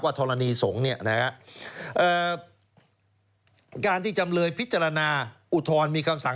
ธรณีสงฆ์เนี่ยนะฮะการที่จำเลยพิจารณาอุทธรณ์มีคำสั่ง